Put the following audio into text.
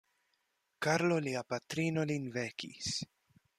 Karlo Lia patrino lin vekis.